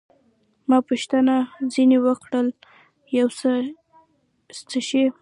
ما پوښتنه ځیني وکړل، یو څه څښئ؟